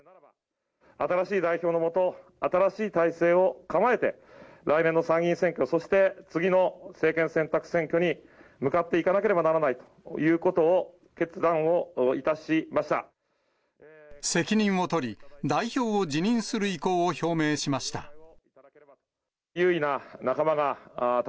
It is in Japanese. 新しい代表の下、新しい体制を構えて、来年の参議院選挙、そして次の政権選択選挙に向かっていかなければならないというこ責任を取り、代表を辞任する意向を表明しました。